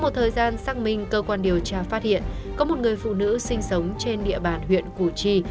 một thời gian xác minh cơ quan điều tra phát hiện có một người phụ nữ sinh sống trên địa bàn huyện củ chi